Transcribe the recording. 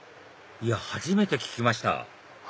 いや初めて聞きました